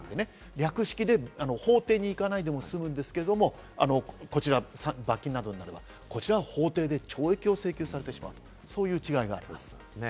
略式で法廷に行かないでも済むんですけれども、罰金などの場合はこちら法廷で懲役を請求されてしまうという違いがあります。